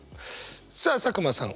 さあ佐久間さん